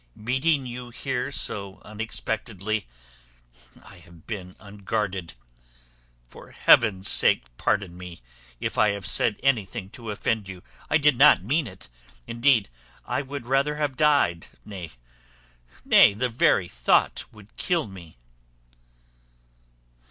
Meeting you here so unexpectedly, I have been unguarded: for Heaven's sake pardon me, if I have said anything to offend you. I did not mean it. Indeed, I would rather have died nay, the very thought would kill me."